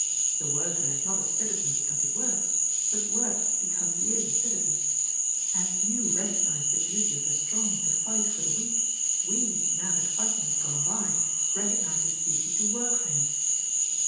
The worker is not a citizen because he works, but works because he is a citizen. As you recognize the duty of the strong to fight for the weak, we, now that fighting is gone by, recognize his duty to work for him.